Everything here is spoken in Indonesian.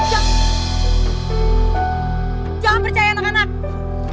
hai jangan percaya anak anak